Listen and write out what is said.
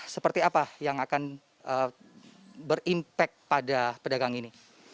seperti apa yang akan berimpak pada pedagang ini